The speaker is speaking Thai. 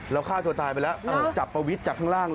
ฆ่าตัวตายไปแล้วจับประวิทย์จากข้างล่าง